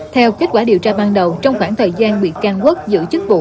theo kết quả điều tra ban đầu trong khoảng thời gian bị can quốc giữ chức vụ